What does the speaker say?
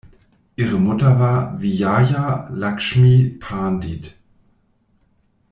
Ihre Mutter war Vijaya Lakshmi Pandit.